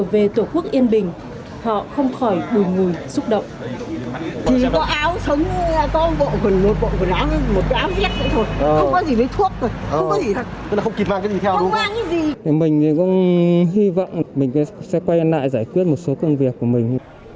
trở về tổ quốc yên bình họ không khỏi đùi người xúc động